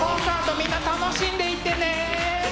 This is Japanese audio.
みんな楽しんでいってね！